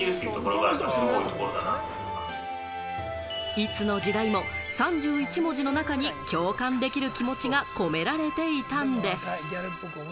いつの時代も３１文字の中に共感できる気持ちが込められていたんです。